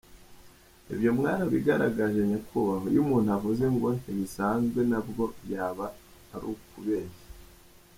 Ibyo mwarabigaragaje nyakubahwa iyo umuntu avuze ngo ntibisanzwe nabwo byaba ari ukubeshya.